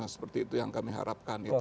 seperti itu yang kami harapkan